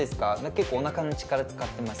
結構おなかの力使ってます？